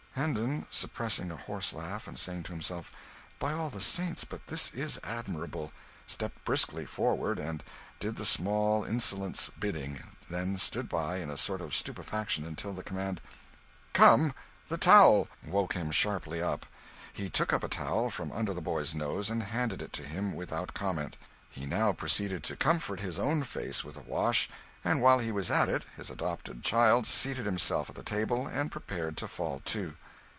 Hendon, suppressing a horse laugh, and saying to himself, "By all the saints, but this is admirable!" stepped briskly forward and did the small insolent's bidding; then stood by, in a sort of stupefaction, until the command, "Come the towel!" woke him sharply up. He took up a towel, from under the boy's nose, and handed it to him without comment. He now proceeded to comfort his own face with a wash, and while he was at it his adopted child seated himself at the table and prepared to fall to.